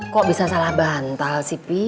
kok bisa salah bantal sih pi